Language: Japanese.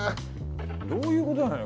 どういうことなのよ